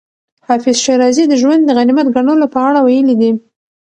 حافظ شېرازي د ژوند د غنیمت ګڼلو په اړه ویلي دي.